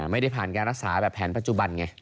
ไม่ได้ผ่านการรักษาแบบแผนปัจจุบันไง